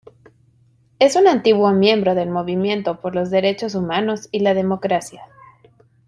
Es un antiguo miembro del Movimiento por los Derechos Humanos y la Democracia.